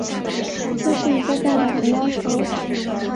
这是一个大胆的要求。